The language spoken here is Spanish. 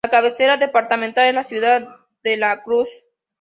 La cabecera departamental es la ciudad de La Cruz.